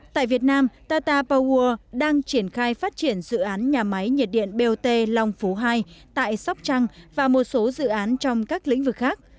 tại việt nam tata poworld đang triển khai phát triển dự án nhà máy nhiệt điện bot long phú hai tại sóc trăng và một số dự án trong các lĩnh vực khác